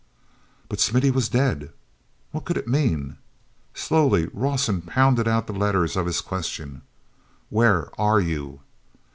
But Smithy was dead! What could it mean? Slowly Rawson pounded out the letters of his question: "Where—are—you?"